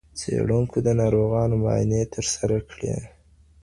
څېړونکو د ناروغانو معاینې ترسره کړې.